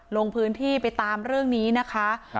ลงพื้นที่ไปตามเรื่องนี้นะคะ